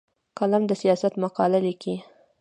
قلم د سیاست مقاله لیکي